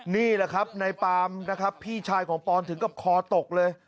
นี่แหละครับในปามนะครับพี่ชายของปอนถึงกับคอตกเลย